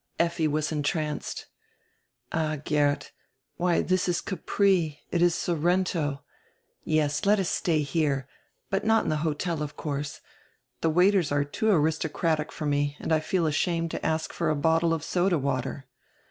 Effi was entranced. "Ah, Geert, why, diis is Capri, it is Sor rento. Yes, let us stay here, but not in die hotel, of course. The waiters are too aristocratic for me and I feel ashamed to ask for a bottie of soda water."